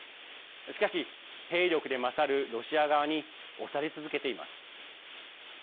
しかし、兵力で勝るロシア側に押され続けています。